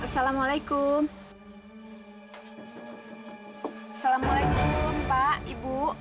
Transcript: assalamualaikum pak ibu